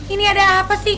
ini ada apa sih